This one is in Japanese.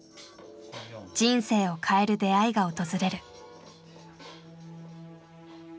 人生を変える出会いが訪れる。